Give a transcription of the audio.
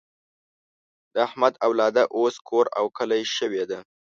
د احمد اولاده اوس کور او کلی شوې ده.